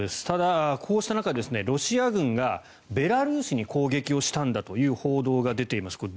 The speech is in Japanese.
ただ、こうした中ロシア軍がベラルーシに攻撃をしたんだという報道が出ています。